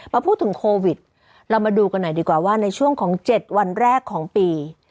มาพูดถึงโควิดเรามาดูกันหน่อยดีกว่าว่าในช่วงของ๗วันแรกของปี